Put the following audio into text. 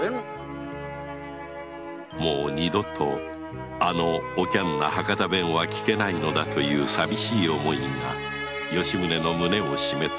もう二度とあのおきゃんな博多弁は聞けないのだという寂しい思いが吉宗の胸を締めつけた